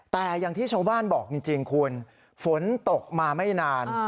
แต่อย่างที่ชาวบ้านบอกจริงคุณฝนตกมาไม่นาน